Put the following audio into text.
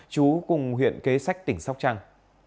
chú cùng huyện kế sách tỉnh sóc trăng